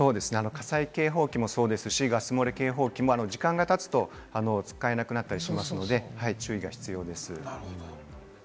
火災警報器もそうですし、ガス漏れ警報器も時間が経つと使えなくなったりしますので注意が必要です。